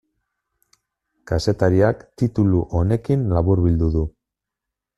Kazetariak titulu honekin laburbildu du.